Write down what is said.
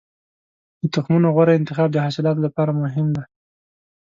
د تخمونو غوره انتخاب د حاصلاتو لپاره مهم دی.